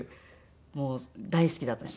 もう大好きだったんです。